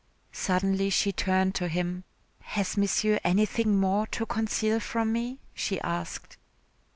Suddenly she turned to him. "Has Monsieur anything more to conceal from me?" she asked.